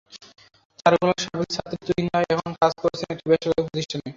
চারুকলার সাবেক ছাত্র তুহিন রায় এখন কাজ করছেন একটি বেসরকারি প্রতিষ্ঠানে।